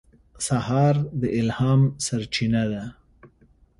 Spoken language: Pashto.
سهار د الهام سرچینه ده.